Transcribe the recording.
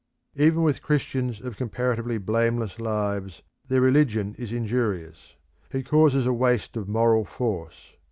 Even with Christians of comparatively blameless lives their religion is injurious. It causes a waste of moral force.